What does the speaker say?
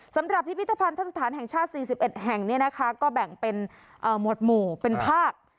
พิพิธภัณฑสถานแห่งชาติ๔๑แห่งเนี่ยนะคะก็แบ่งเป็นหมวดหมู่เป็นภาค